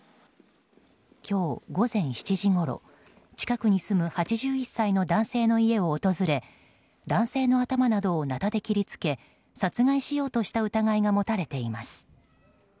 今日午前７時ごろ近くに住む８１歳の男性の家を訪れ男性の頭などをなたで切りつけ殺害しようとした疑いが持たれています。